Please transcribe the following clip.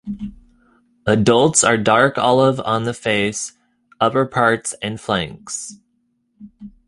Adults are dark olive on the face, upperparts and flanks.